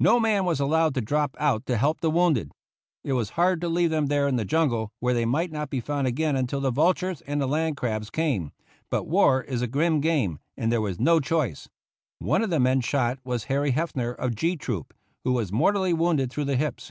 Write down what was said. No man was allowed to drop out to help the wounded. It was hard to leave them there in the jungle, where they might not be found again until the vultures and the land crabs came, but war is a grim game and there was no choice. One of the men shot was Harry Heffner of G Troop, who was mortally wounded through the hips.